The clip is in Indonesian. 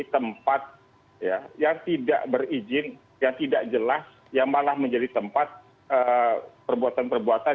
tempat yang tidak berizin yang tidak jelas yang malah menjadi tempat perbuatan perbuatan